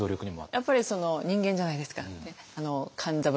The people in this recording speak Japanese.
やっぱり人間じゃないですか勘三郎さんも。